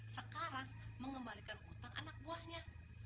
sekarang mengembalikan hutang anak buahnya